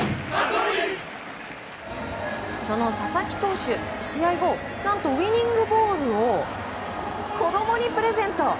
その佐々木投手試合後、何とウィニングボールを子供にプレゼント。